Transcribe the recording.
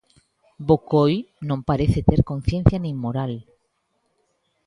Bocoi non parece ter conciencia nin moral.